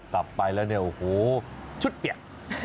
กลับไปแล้วเนี่ยโอ้โหชุดเปียก